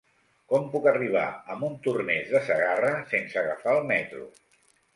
Com puc arribar a Montornès de Segarra sense agafar el metro?